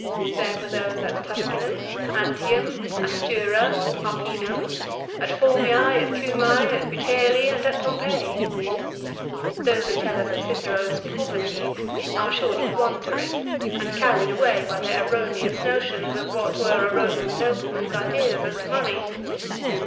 There were those at Tusculum, Antium, Astura, Arpinum at Formise, at Cumse, ?>t Puteoli, and at Pompeii. Those who tell us of Cicero's poverty are surely wandering, carried away by their erroneous notions of what were a Eoman nobleman's ideas as to money.